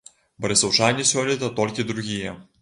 Барысаўчане сёлета толькі другія.